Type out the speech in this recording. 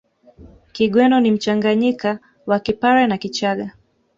Kigweno ni mchanganyika wa Kipare na Kichaga